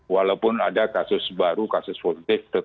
walaupun ada kasus baru kasus positif tetap naik